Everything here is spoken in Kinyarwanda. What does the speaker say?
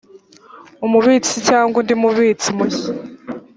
umubitsi cyangwa undi mubitsi mushya